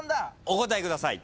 お答えください。